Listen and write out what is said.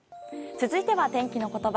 続いては天気のことば。